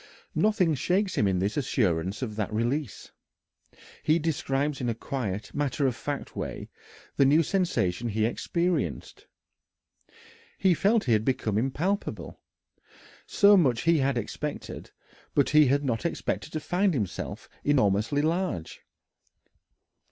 Nothing shakes him in his assurance of that release. He describes in a quiet, matter of fact way the new sensation he experienced. He felt he had become impalpable so much he had expected, but he had not expected to find himself enormously large.